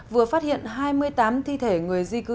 vừa phát hiện hai mươi tám thi thể người di cư